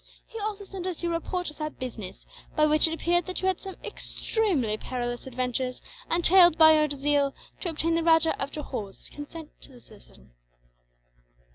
He also sent us your report of that business, by which it appeared that you had some extremely perilous adventures, entailed by your zeal to obtain the Rajah of Johore's consent to the cession.